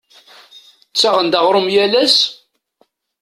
Ttaɣent-d aɣrum yal ass?